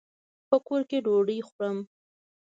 په کور کي ډوډۍ خورم.